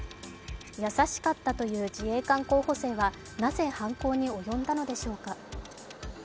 優しかったという自衛官候補生はなぜ犯行に及んだのでしょうか。